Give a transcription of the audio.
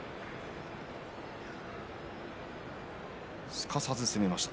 すかさず攻めました。